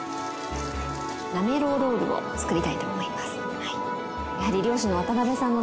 なめろうロールを作りたいと思います。